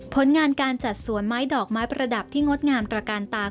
ผลงานการจัดสวนไม้ดอกไม้ประดับที่งดงามตระการตา